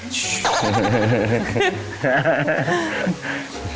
สุดยอด